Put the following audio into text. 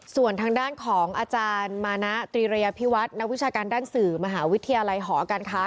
ส่วนทางด้านของอาจารย์มานะตรีระยะพิวัฒน์นักวิชาการด้านสื่อมหาวิทยาลัยหอการค้า